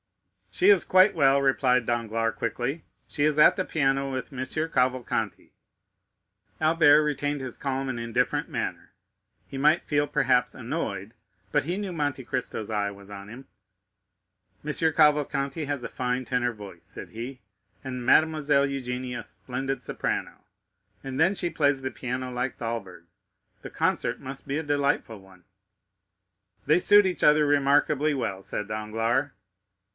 "She is quite well," replied Danglars quickly; "she is at the piano with M. Cavalcanti." Albert retained his calm and indifferent manner; he might feel perhaps annoyed, but he knew Monte Cristo's eye was on him. "M. Cavalcanti has a fine tenor voice," said he, "and Mademoiselle Eugénie a splendid soprano, and then she plays the piano like Thalberg. The concert must be a delightful one." "They suit each other remarkably well," said Danglars.